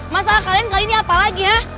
masa kalian kali ini apa lagi ya